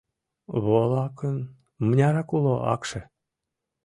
Волакын мынярак уло акше?